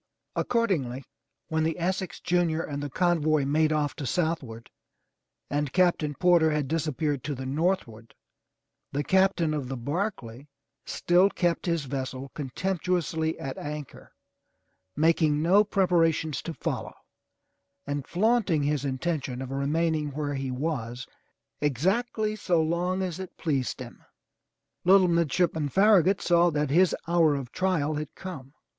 Accordingly, when the Essex Junior and the convoy made off to southward, and Captain Porter had disappeared to the north ward, the Captain of the Barclay still kept his vessel contemptu ously at anchor, making no preparations to follow, and flaunting his intention of remaining where he was exactly so long as it pleased him. Little Midshipman Farragut saw that his hour of trial had come.